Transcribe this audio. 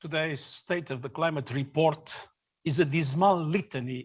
kondisi lautan di bumi menjadi yang terpanas dalam dua puluh tahun terakhir